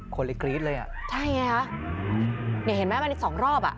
คนลิคลีสเลยอ่ะใช่ไงฮะเห็นไหมมันอีกสองรอบอ่ะ